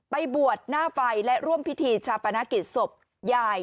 ไปบวชหน้าไปและร่วมพิธีชาปนครมศ์คิรศบหญ่